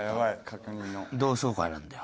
同窓会なんだよ。